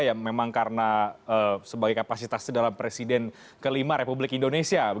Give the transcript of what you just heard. yang memang karena sebagai kapasitas dalam presiden kelima republik indonesia